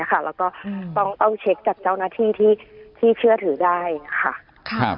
แล้วก็ต้องเช็คจากเจ้าหน้าที่ที่เชื่อถือได้ค่ะ